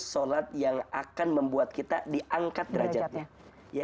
sholat yang akan membuat kita diangkat derajatnya